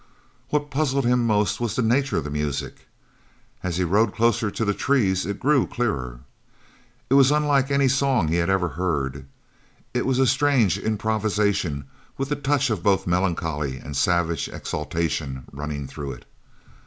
What puzzled him most was the nature of the music. As he rode closer to the trees it grew clearer. It was unlike any song he had ever heard. It was a strange improvisation with a touch of both melancholy and savage exultation running through it.